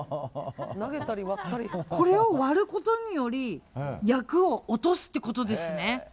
これを割ることにより厄を落とすってことですね。